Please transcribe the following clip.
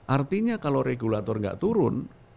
artinya kalau regulator nggak turun